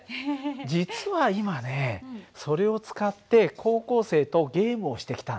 実は今ねそれを使って高校生とゲームをしてきたんだ。